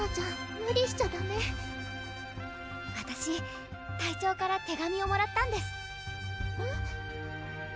無理しちゃダメわたし隊長から手紙をもらったんですえっ？